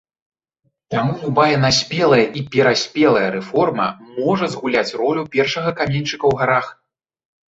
Таму любая наспелая і пераспелая рэформа можа згуляць ролю першага каменьчыка ў гарах.